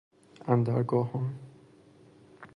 اندر گاهان